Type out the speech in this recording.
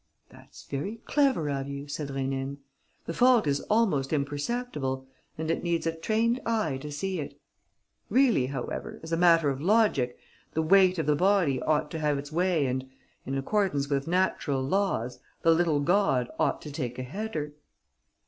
"That's very clever of you," said Rénine. "The fault is almost imperceptible and it needs a trained eye to see it. Really, however, as a matter of logic, the weight of the body ought to have its way and, in accordance with natural laws, the little god ought to take a header."